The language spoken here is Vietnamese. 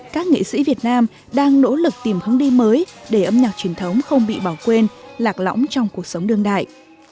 các nghệ sĩ việt nam đang nỗ lực tìm hướng đi mới để âm nhạc truyền thống không bị bỏ quên lạc lõng trong cuộc sống đương đại